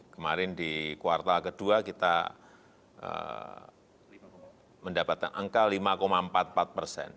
kemarin di kuartal kedua kita mendapatkan angka lima empat puluh empat persen